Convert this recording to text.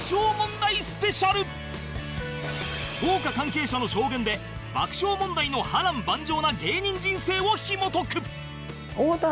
豪華関係者の証言で爆笑問題の波乱万丈な芸人人生を紐解く